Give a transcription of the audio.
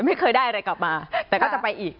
ไม่เคยได้อะไรกลับมาแต่ก็จะไปอีก